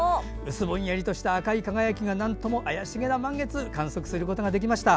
薄ぼんやりとした赤い輝きがなんとも怪しげな満月観測することができました。